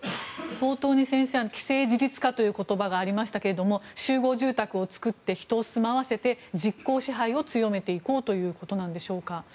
冒頭に先生、既成事実化という言葉がありましたが集合住宅を作り、人を住まわせて実効支配を強めていこうということなんでしょうか。